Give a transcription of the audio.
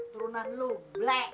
turunan lu blee